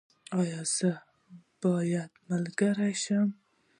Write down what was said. ایا زه باید ملګری شم؟